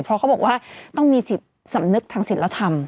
เพราะเขาบอกว่าต้องมีจิตสำนึกทางศิลธรรม